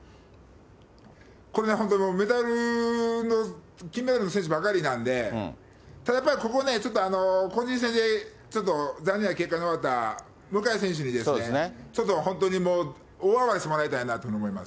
これね、本当、金メダルの選手ばかりなんで、ただやっぱりここね、個人戦でちょっと、残念な結果に終わった向選手にですね、ちょっと本当にもう、大暴れしてもらいたいなと思います。